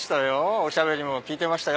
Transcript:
おしゃべりも聞いてましたよ。